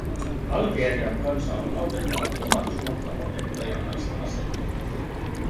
Algerian kansaa on autettava omaksumatta opettajamaista asennetta.